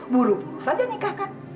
buru buru saja nikahkan